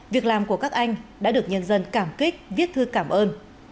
việc làm của các anh đã được nhân dân cảm kích viết thư cảm ơn